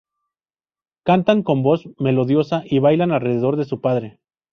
Cantan con voz melodiosa y bailan alrededor de su padre.